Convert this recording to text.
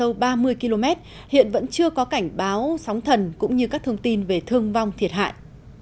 với tâm trấn ở độ sâu ba mươi km hiện vẫn chưa có cảnh báo sóng thần cũng như các thông tin về thương vong thiệt hại